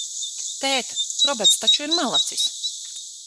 Tēt, Roberts taču ir malacis?